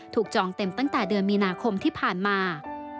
จองเต็มตั้งแต่เดือนมีนาคมที่ผ่านมา